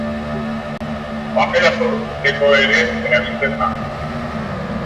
Papera produzitzeko ere erabiltzen da.